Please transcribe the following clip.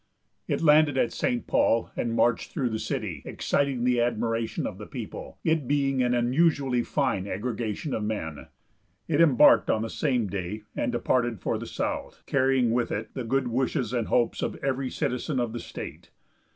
It landed at St. Paul and marched through the city, exciting the admiration of the people, it being an unusually fine aggregation of men. It embarked on the same day, and departed for the South, carrying with it the good wishes and hopes of every citizen of the state.